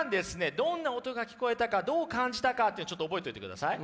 どんな音が聞こえたかどう感じたかってちょっと覚えといてください。